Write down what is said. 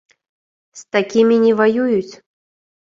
З такімі не ваююць.